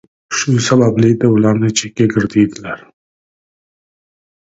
Shu sababli-da ularni chekkagir deydilar.